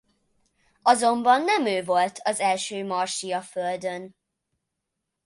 Azonban nem ő volt az első marsi a földön.